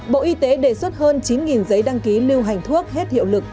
bộ y tế đề xuất hơn chín giấy đăng ký lưu hành thuốc hết hiệu lực